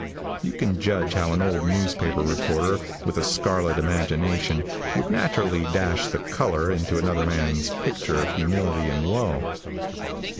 You can judge how an old newspaper reporter, with a scarlet imagination, would naturally dash the color into another man's picture of humility and woe.